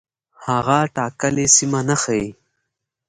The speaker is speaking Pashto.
هغه ټاکلې سیمه نه ښيي.